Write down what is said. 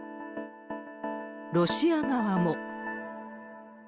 ロシア側も。